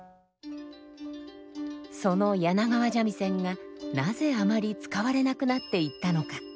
その柳川三味線がなぜあまり使われなくなっていったのか。